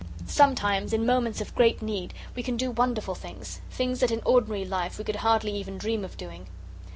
Sometimes, in moments of great need, we can do wonderful things things that in ordinary life we could hardly even dream of doing.